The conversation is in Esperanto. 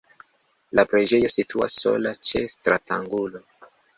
La preĝejo situas sola ĉe stratangulo.